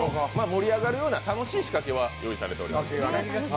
盛り上がるような、楽しい仕掛けが用意されています。